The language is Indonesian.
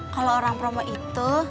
kalau orang promo itu